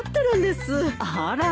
あら。